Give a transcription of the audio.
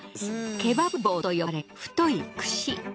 ケバブ棒と呼ばれる太い串。